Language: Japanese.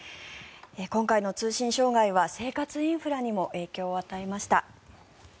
今回の通信障害は生活インフラにも影響を与えました。